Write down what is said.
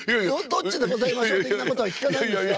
どっちでございましょう的なことは聞かないんですか？